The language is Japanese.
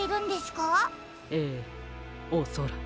ええおそらく。